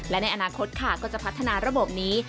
และในอนาคตค่ะก็จะพัฒนาระบบนี้